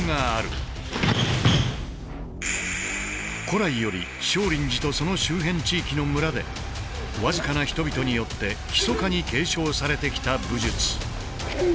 古来より少林寺とその周辺地域の村で僅かな人々によってひそかに継承されてきた武術。